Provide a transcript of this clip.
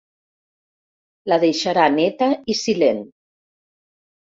La deixarà neta i silent.